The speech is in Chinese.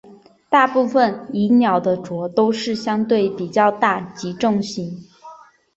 大部份蚁鸟的喙都相对较大及重型。